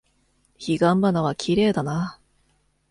彼岸花はきれいだな。